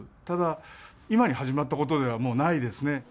ただ、今に始まったことではもうないですね。